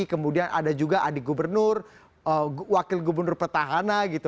kemudian ada juga adik gubernur wakil gubernur pertahana